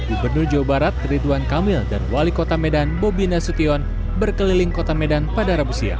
gubernur jawa barat ridwan kamil dan wali kota medan bobi nasution berkeliling kota medan pada rabu siang